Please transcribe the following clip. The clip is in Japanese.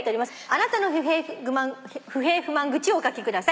あなたの不平不満愚痴をお書きください。